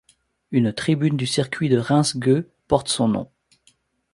Une tribune du circuit de Reims-Gueux porte son nom.